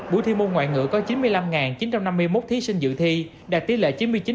buổi thi môn ngoại ngữ có chín mươi năm chín trăm năm mươi một thí sinh dự thi đạt tỷ lệ chín mươi chín chín